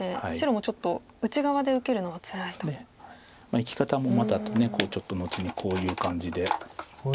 生き方もまだあとちょっと後にこういう感じで。